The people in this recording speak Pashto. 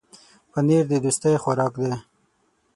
پنېر د دوستۍ خوراک دی.